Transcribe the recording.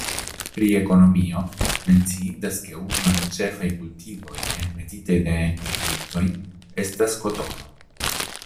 Pri ekonomio menciindas ke unu el ĉefaj kultivoj enmetitaj de enmigrintoj estas kotono.